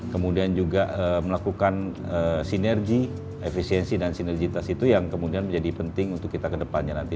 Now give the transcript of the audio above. kemudian juga melakukan sinergi efisiensi dan sinergitas itu yang kemudian menjadi penting untuk kita kedepannya nanti